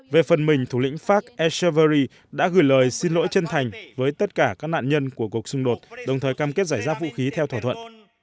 về phần mình thủ lĩnh pháp echrery đã gửi lời xin lỗi chân thành với tất cả các nạn nhân của cuộc xung đột đồng thời cam kết giải giáp vũ khí theo thỏa thuận